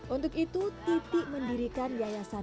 untuk itu titi mendirikan yayasan bina karyawan